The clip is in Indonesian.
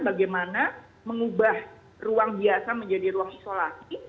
bagaimana mengubah ruang biasa menjadi ruang isolasi